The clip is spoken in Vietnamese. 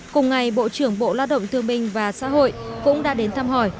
cùng ngày bộ trưởng bộ lao động thương minh và xã hội cũng đã đến thăm hỏi